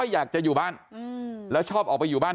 ใช่ค่ะถ่ายรูปส่งให้พี่ดูไหม